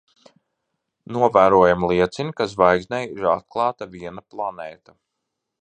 Novērojumi liecina, ka zvaigznei ir atklāta viena planēta.